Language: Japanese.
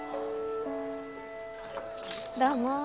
どうも。